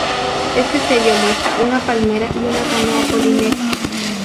Este sello muestra una palmera y una canoa polinesia.